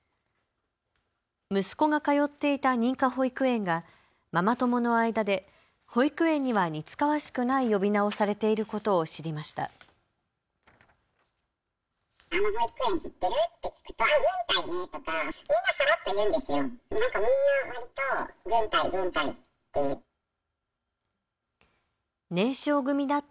息子が通っていた認可保育園がママ友の間で保育園には似つかわしくない呼び名をされていることを知りました。